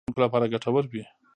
دا به د لوستونکو لپاره ګټور وي.